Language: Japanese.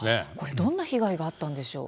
どんな被害があったんでしょうか。